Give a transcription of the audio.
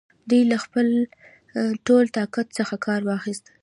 دوی له خپل ټول طاقت څخه کار واخیست.